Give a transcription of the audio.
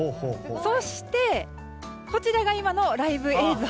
そしてこちらが今のライブ映像。